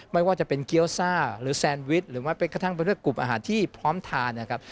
ไม่ว่าจะเป็นเกี๊ยวซ่าหรือแซนวิชหรือว่าจะเป็นกลุ่มอาหารที่พร้อมทานนะครับ